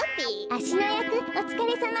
あしのやくおつかれさま。